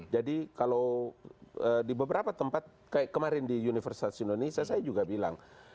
jadi kalau di beberapa tempat kayak kemarin di universitas indonesia saya juga bilang